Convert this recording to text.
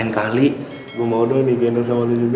lain kali gue mau dong di geno sama lo juga